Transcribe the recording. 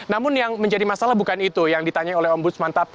namun yang menjadi masalah bukan itu yang ditanya oleh ombudsman